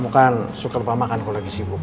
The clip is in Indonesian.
bukan suka lupa makan kalau lagi sibuk